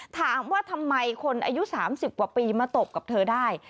ถามว่าทำไมคนอายุ๓๐กว่าปีมาตบกับเธอได้